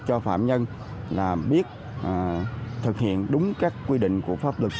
cho phạm nhân là biết thực hiện đúng các quy định của pháp luật